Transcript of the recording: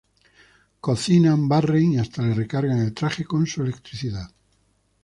Cocinan, barren y hasta le recargan el traje con su electricidad.